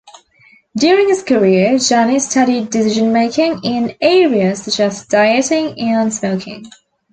During his career, Janis studied decisionmaking in areas such as dieting and smoking.